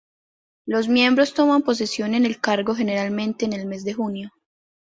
Los miembros toman posesión en el cargo generalmente en el mes de junio.